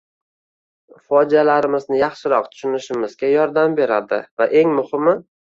fojialarimizni yaxshiroq tushunishimizga yordam beradi va eng muhimi